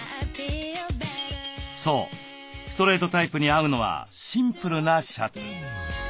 そうストレートタイプに合うのはシンプルなシャツ。